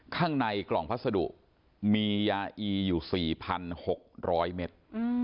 ข้างในกล่องพัสดุมียาอีอยู่๔๖๐๐เมตร